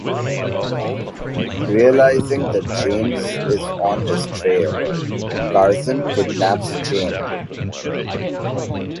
Realizing that James is on his trail, Tarzan kidnaps Jane.